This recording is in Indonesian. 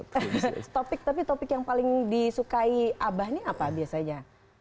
tapi topik yang paling disukai abah ini apa biasanya